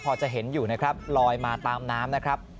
พอจะเห็นอยู่นะครับลอยมาตามน้ำนะครับ